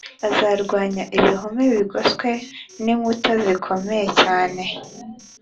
azarwanya ibihome bigoswe n inkuta zikomeye cyane